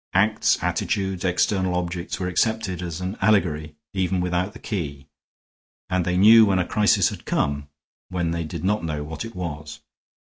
Acts, attitudes, external objects, were accepted as an allegory even without the key; and they knew when a crisis had come, when they did not know what it was.